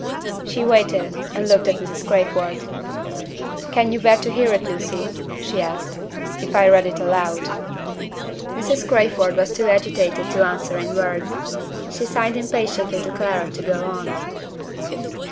She waited, and looked at Mrs. Crayford. "Can you bear to hear it, Lucy," she asked, "if I read it aloud?" Mrs. Crayford was too agitated to answer in words. She signed impatiently to Clara to go on.